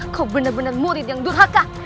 kau bener bener murid yang durhaka